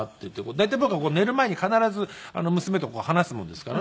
大体僕は寝る前に必ず娘と話すもんですからね。